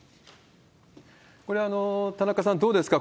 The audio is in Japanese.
これ、田中さん、どうですか？